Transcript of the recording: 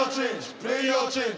プレーヤーチェンジ。